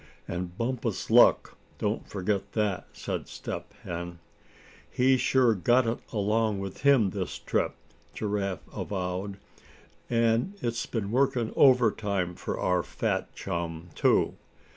"And Bumpus' luck don't forget that," said Step Hen. "He's sure got it along with him this trip," Giraffe avowed, "and it's been working over time for our fat chum too.